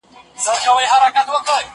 زه کولای سم د کتابتون د کار مرسته وکړم!.